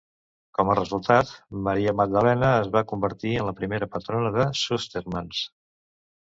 Com a resultat, Maria Maddalena es va convertir en la primera patrona de Sustermans.